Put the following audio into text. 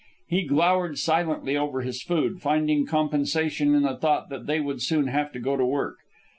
He glowered silently over his food, finding compensation in the thought that they would soon have to go to work.